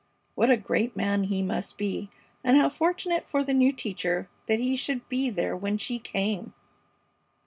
What a great man he must be, and how fortunate for the new teacher that he should be there when she came!